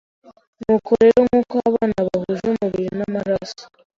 «Nuko rero, nk’uko abana bahuje umubiri n’amaraso,